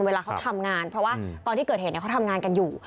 เวลาเขาทำงานเพราะว่าตอนที่เกิดเหตุเขาทำงานกันอยู่